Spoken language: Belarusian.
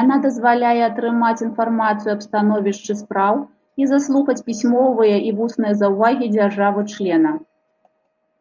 Яна дазваляе атрымаць інфармацыю аб становішчы спраў і заслухаць пісьмовыя і вусныя заўвагі дзяржавы-члена.